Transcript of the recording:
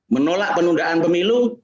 menolak pengundahan pemilu